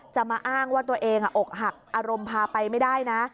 จะมาอ้างว่าตัวเองอกหักอารมณ์พาไปไม่ได้นะ